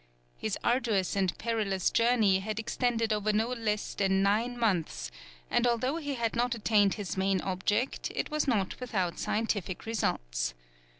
His arduous and perilous journey had extended over no less than nine months; and although he had not attained its main object, it was not without scientific results.